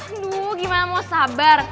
aduh gimana mau sabar